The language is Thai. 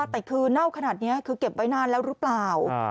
แต่คือเน่าขนาดนี้คือเก็บไว้นานแล้วหรือเปล่า